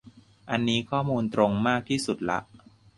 อันนี้ข้อมูลตรงมากที่สุดละ